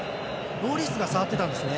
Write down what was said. ロリスが触ってたんですね。